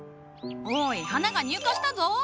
おい花が入荷したぞ。